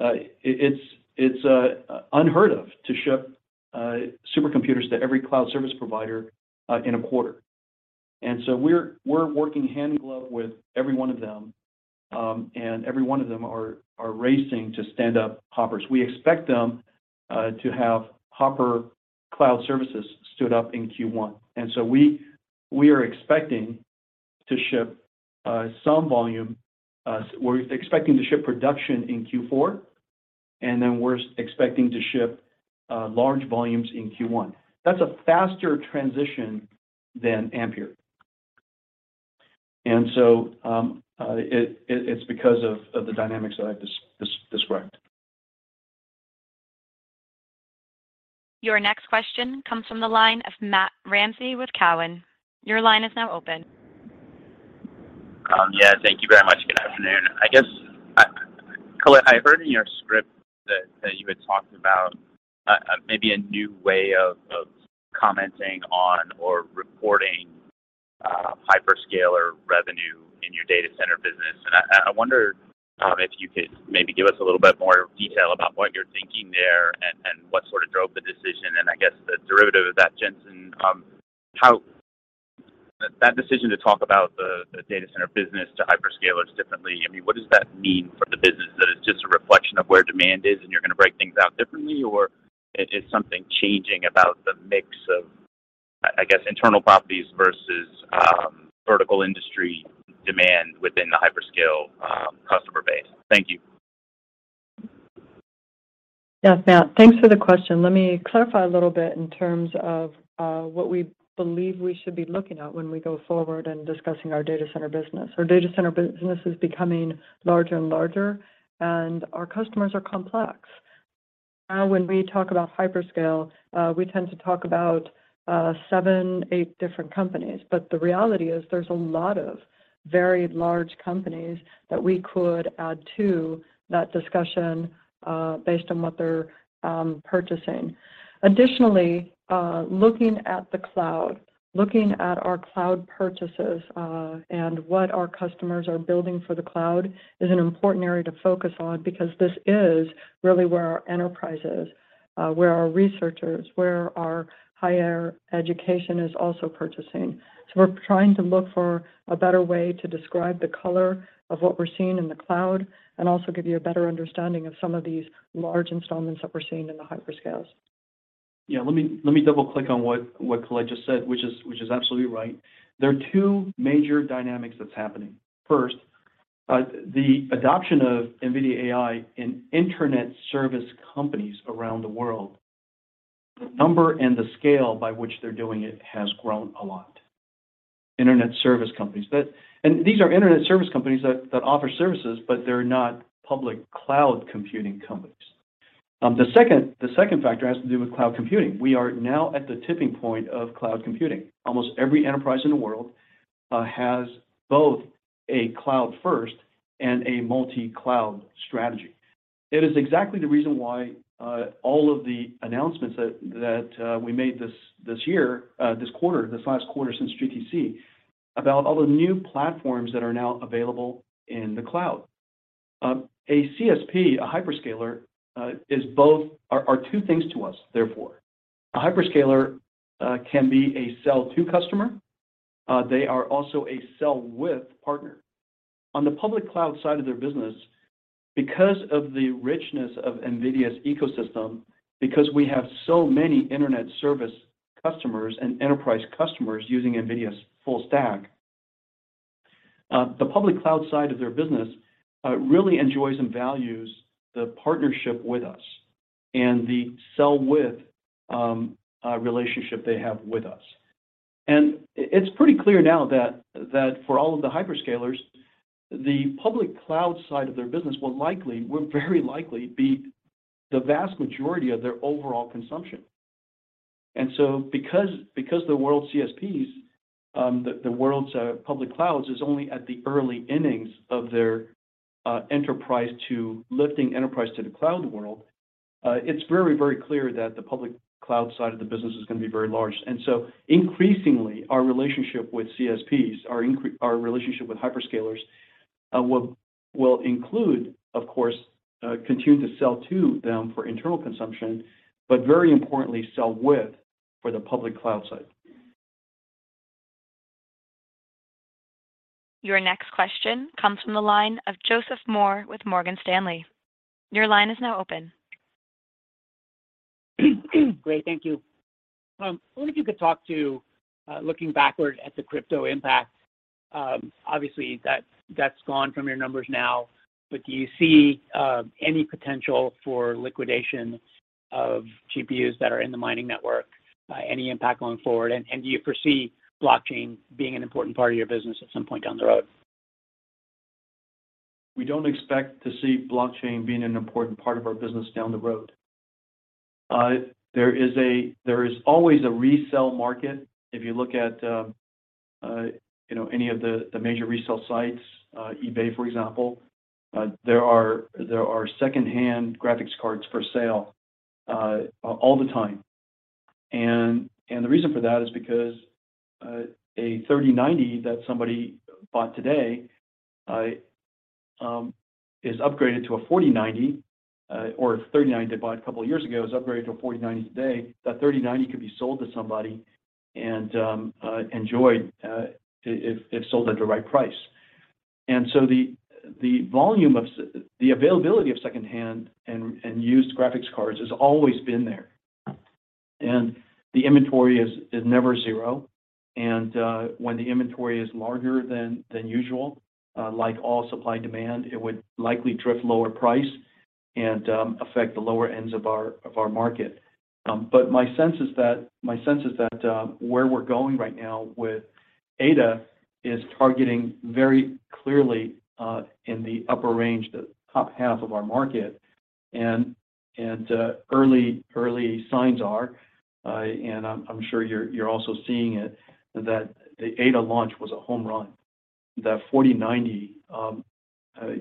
It's unheard of to ship supercomputers to every cloud service provider in a quarter. We're working hand in glove with every one of them, and every one of them are racing to stand up Hopper. We expect them to have Hopper cloud services stood up in Q1. We are expecting to ship some volume. We're expecting to ship production in Q4, and then we're expecting to ship large volumes in Q1. That's a faster transition than Ampere. It's because of the dynamics that I've described. Your next question comes from the line of Matthew Ramsay with Cowen. Your line is now open. Yeah, thank you very much. Good afternoon. I guess, Colette, I heard in your script that you had talked about maybe a new way of commenting on or reporting hyperscaler revenue in your data center business. I wonder if you could maybe give us a little bit more detail about what you're thinking there and what sort of drove the decision. I guess the derivative of that, Jensen, that decision to talk about the data center business to hyperscalers differently. I mean, what does that mean for the business? That it's just a reflection of where demand is and you're gonna break things out differently? Or is something changing about the mix of, I guess, internal properties versus vertical industry demand within the hyperscale customer base? Thank you. Yes, Matt. Thanks for the question. Let me clarify a little bit in terms of what we believe we should be looking at when we go forward in discussing our data center business. Our data center business is becoming larger and larger, and our customers are complex. Now, when we talk about hyperscale, we tend to talk about seven, eight different companies. But the reality is there's a lot of very large companies that we could add to that discussion based on what they're purchasing. Additionally, looking at the cloud, looking at our cloud purchases, and what our customers are building for the cloud is an important area to focus on because this is really where our enterprise is, where our researchers, where our higher education is also purchasing. We're trying to look for a better way to describe the color of what we're seeing in the cloud and also give you a better understanding of some of these large installations that we're seeing in the hyperscalers. Yeah, let me double-click on what Colette just said, which is absolutely right. There are two major dynamics that's happening. First, the adoption of NVIDIA AI in internet service companies around the world, the number and the scale by which they're doing it has grown a lot. Internet service companies. These are internet service companies that offer services, but they're not public cloud computing companies. The second factor has to do with cloud computing. We are now at the tipping point of cloud computing. Almost every enterprise in the world has both a cloud-first and a multi-cloud strategy. It is exactly the reason why all of the announcements that we made this year, this quarter, this last quarter since GTC, about all the new platforms that are now available in the cloud. A CSP, a hyperscaler are two things to us, therefore. A hyperscaler can be a sell-to customer. They are also a sell-with partner. On the public cloud side of their business, because of the richness of NVIDIA's ecosystem, because we have so many internet service customers and enterprise customers using NVIDIA's full stack, the public cloud side of their business really enjoys and values the partnership with us and the sell-with relationship they have with us. It's pretty clear now that for all of the hyperscalers, the public cloud side of their business will very likely be the vast majority of their overall consumption. Because the world's CSPs, public clouds is only at the early innings of their lifting enterprise to the cloud world, it's very, very clear that the public cloud side of the business is gonna be very large. Increasingly, our relationship with CSPs, our relationship with hyperscalers will include, of course, continue to sell to them for internal consumption, but very importantly, sell with them for the public cloud side. Your next question comes from the line of Joseph Moore with Morgan Stanley. Your line is now open. Great. Thank you. I wonder if you could talk to, looking backward at the crypto impact. Obviously that's gone from your numbers now, but do you see any potential for liquidation of GPUs that are in the mining network? Any impact going forward? Do you foresee blockchain being an important part of your business at some point down the road? We don't expect to see blockchain being an important part of our business down the road. There is always a resale market. If you look at, you know, any of the major resale sites, eBay, for example, there are secondhand graphics cards for sale, all the time. The reason for that is because a 3090 that somebody bought today is upgraded to a 4090, or a 3090 they bought a couple of years ago is upgraded to a 4090 today. That 3090 could be sold to somebody and enjoyed, if sold at the right price. The availability of secondhand and used graphics cards has always been there. The inventory is never zero, and when the inventory is larger than usual, like all supply and demand, it would likely drift lower price and affect the lower ends of our market. My sense is that where we're going right now with Ada is targeting very clearly in the upper range, the top half of our market. Early signs are, and I'm sure you're also seeing it, that the Ada launch was a home run. The 4090,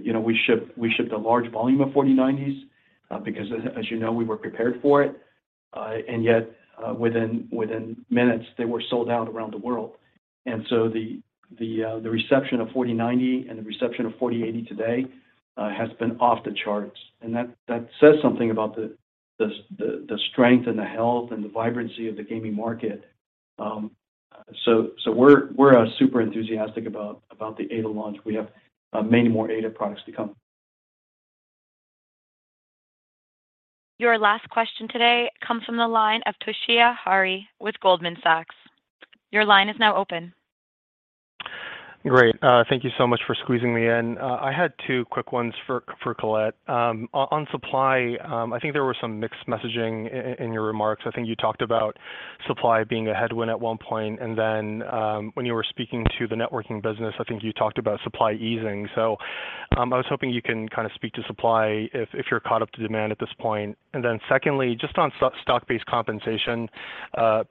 you know, we shipped a large volume of 4090s, because as you know, we were prepared for it. And yet, within minutes, they were sold out around the world. The reception of 4090 and the reception of 4080 today has been off the charts. That says something about the strength and the health and the vibrancy of the gaming market. We're super enthusiastic about the Ada launch. We have many more Ada products to come. Your last question today comes from the line of Toshiya Hari with Goldman Sachs. Your line is now open. Great. Thank you so much for squeezing me in. I had two quick ones for Colette. On supply, I think there was some mixed messaging in your remarks. I think you talked about supply being a headwind at one point, and then, when you were speaking to the networking business, I think you talked about supply easing. I was hoping you can kinda speak to supply if you're caught up to demand at this point. Secondly, just on stock-based compensation,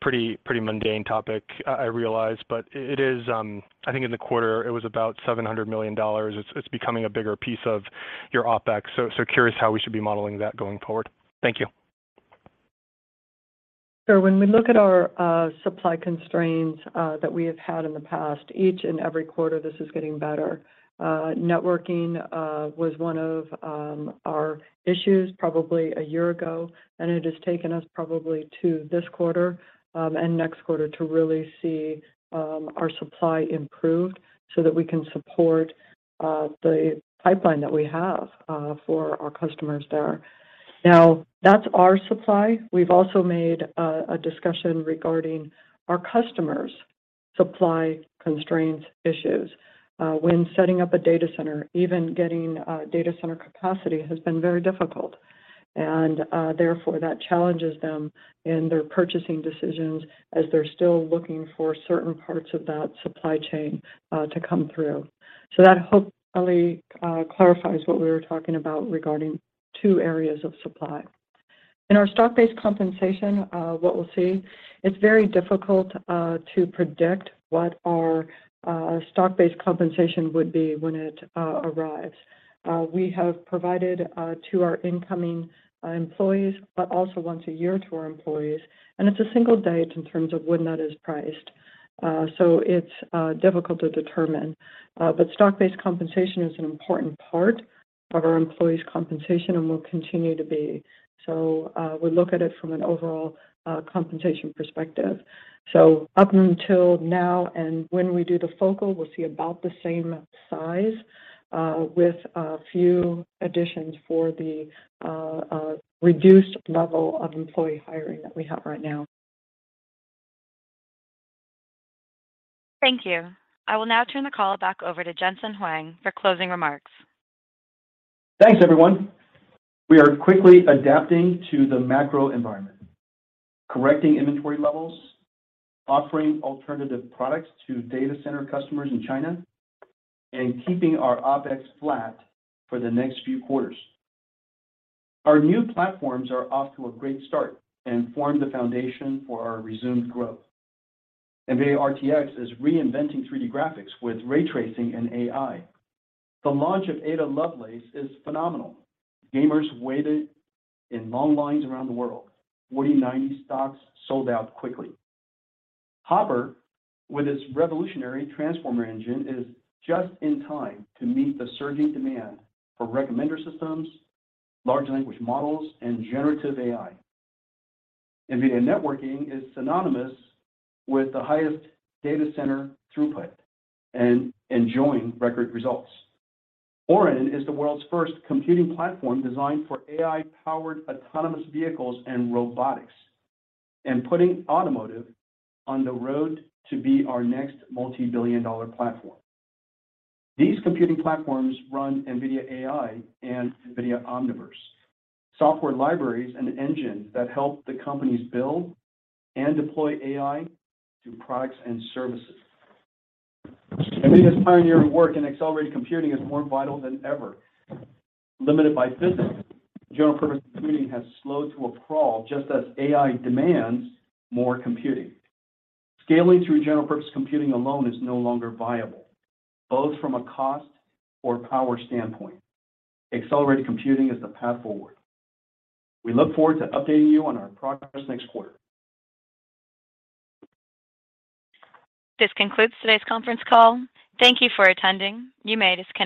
pretty mundane topic, I realize, but it is, I think in the quarter it was about $700 million. It's becoming a bigger piece of your OpEx. Curious how we should be modeling that going forward. Thank you. When we look at our supply constraints that we have had in the past, each and every quarter, this is getting better. Networking was one of our issues probably a year ago, and it has taken us probably to this quarter and next quarter to really see our supply improved so that we can support the pipeline that we have for our customers there. Now, that's our supply. We've also made a discussion regarding our customers' supply constraints issues. When setting up a data center, even getting data center capacity has been very difficult. Therefore, that challenges them in their purchasing decisions as they're still looking for certain parts of that supply chain to come through. That hopefully clarifies what we were talking about regarding two areas of supply. In our stock-based compensation, what we'll see, it's very difficult to predict what our stock-based compensation would be when it arrives. We have provided to our incoming employees, but also once a year to our employees, and it's a single date in terms of when that is priced. It's difficult to determine. Stock-based compensation is an important part of our employees' compensation and will continue to be. We look at it from an overall compensation perspective. Up until now and when we do the focal, we'll see about the same size with a few additions for the reduced level of employee hiring that we have right now. Thank you. I will now turn the call back over to Jensen Huang for closing remarks. Thanks, everyone. We are quickly adapting to the macro environment, correcting inventory levels, offering alternative products to data center customers in China, and keeping our OpEx flat for the next few quarters. Our new platforms are off to a great start and form the foundation for our resumed growth. NVIDIA RTX is reinventing 3D graphics with ray tracing and AI. The launch of Ada Lovelace is phenomenal. Gamers waited in long lines around the world. 4090 stocks sold out quickly. Hopper, with its revolutionary transformer engine, is just in time to meet the surging demand for recommender systems, large language models, and generative AI. NVIDIA networking is synonymous with the highest data center throughput and enjoying record results. Orin is the world's first computing platform designed for AI-powered autonomous vehicles and robotics, and putting automotive on the road to be our next multi-billion-dollar platform. These computing platforms run NVIDIA AI and NVIDIA Omniverse, software libraries and engines that help the companies build and deploy AI through products and services. NVIDIA's pioneering work in accelerated computing is more vital than ever. Limited by physics, general purpose computing has slowed to a crawl just as AI demands more computing. Scaling through general purpose computing alone is no longer viable, both from a cost or power standpoint. Accelerated computing is the path forward. We look forward to updating you on our progress next quarter. This concludes today's conference call. Thank you for attending. You may disconnect.